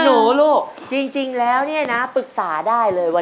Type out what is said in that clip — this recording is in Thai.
หนูลูกจริงแล้วเนี่ยนะปรึกษาได้เลยว่า